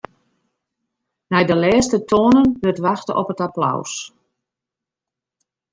Nei de lêste toanen wurdt wachte op it applaus.